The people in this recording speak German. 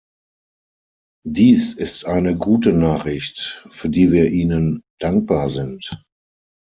Dies ist eine gute Nachricht, für die wir Ihnen dankbar sind.